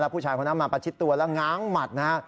ผู้ชายคนนั้นมาประชิดตัวแล้วง้างหมัดนะฮะ